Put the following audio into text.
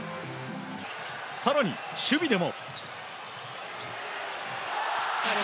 更に、守備でも。